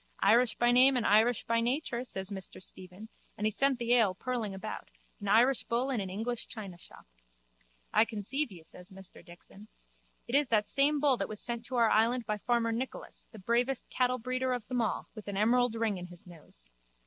Irish by name and irish by nature, says Mr Stephen, and he sent the ale purling about, an Irish bull in an English chinashop. I conceive you, says Mr Dixon. It is that same bull that was sent to our island by farmer Nicholas, the bravest cattlebreeder of them all, with an emerald ring in his nose.